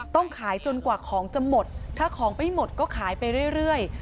ต้องขายจนกว่าของจะหมดถ้าของไม่หมดก็ขายไปเรื่อย